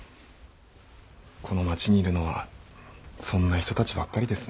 この街にいるのはそんな人たちばっかりですね。